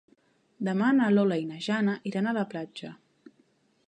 Demà na Lola i na Jana iran a la platja.